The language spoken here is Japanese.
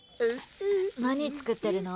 何作ってるの？